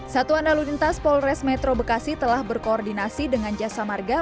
satuan lalu lintas polres metro bekasi telah berkoordinasi dengan jasa marga